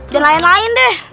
dan lain lain deh